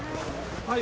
はい。